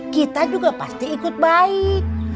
kita juga pasti ikut baik